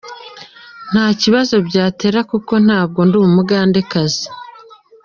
Nta kibazo byanteye kuko ntabwo ndi umugandekazi”.